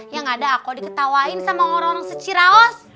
ya gak ada aku diketawain sama orang orang seciraos